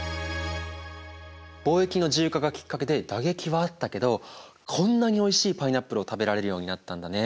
貿易の自由化がきっかけで打撃はあったけどこんなにおいしいパイナップルを食べられるようになったんだね。